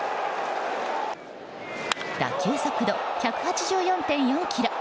打球速度１８４．４キロ。